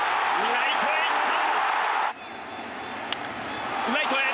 ライトへいった！